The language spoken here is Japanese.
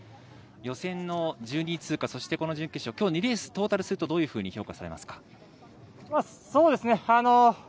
予選の１２位通過そして、この準決勝今日２レース、トータルするとどのように評価されますか？